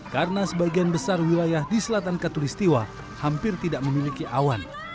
karena sebagian besar wilayah di selatan katolistiwa hampir tidak memiliki awan